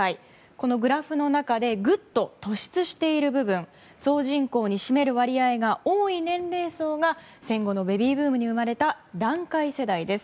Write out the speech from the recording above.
このグラフの中でぐっと突出している部分総人口に占める割合が多い年齢層が戦後のベビーブームに生まれた団塊世代です。